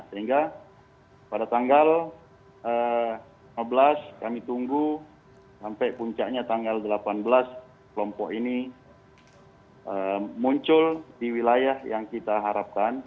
sehingga pada tanggal lima belas kami tunggu sampai puncaknya tanggal delapan belas kelompok ini muncul di wilayah yang kita harapkan